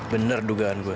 bener dugaan gue